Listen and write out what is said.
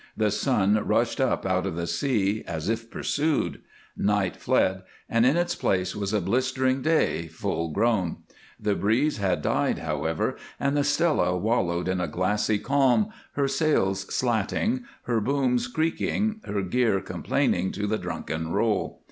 The sun rushed up out of the sea as if pursued; night fled, and in its place was a blistering day, full grown. The breeze had died, however, and the Stella wallowed in a glassy calm, her sails slatting, her booms creaking, her gear complaining to the drunken roll.